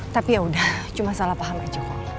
tapi ya udah cuma salah paham aja kok